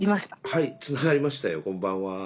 はいつながりましたよこんばんは。